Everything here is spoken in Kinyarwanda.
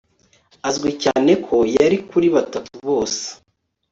Azwi cyane ko yari kuri Batatu bose